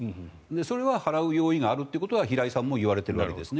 それは払う用意があるということは平井さんも言われているわけですね。